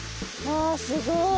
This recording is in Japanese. わすごい。